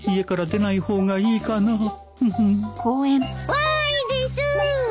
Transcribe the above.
わーいです！